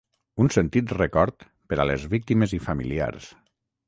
Un sentit record per a les víctimes i familiars.